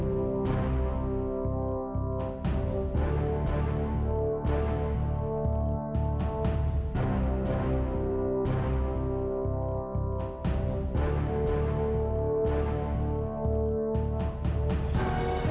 jangan jangan kena rahasia lagi